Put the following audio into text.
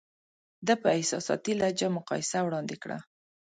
ده په احساساتي لهجه مقایسه وړاندې کړه.